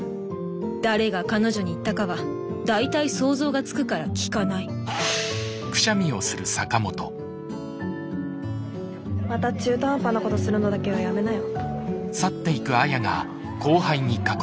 誰が彼女に言ったかは大体想像がつくから聞かないまた中途半端なことするのだけはやめなよ。